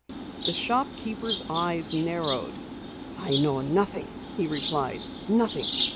_" The shopkeeper's eyes narrowed. "I know nothing," he replied. "Nothing.